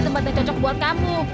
tempat yang cocok buat kamu